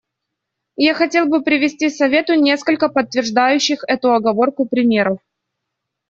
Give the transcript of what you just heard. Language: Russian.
Я хотел бы привести Совету несколько подтверждающих эту оговорку примеров.